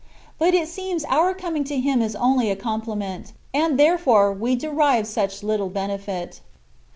But it seems our coming to Him is only a compliment, and, therefore, we derive such little benefit.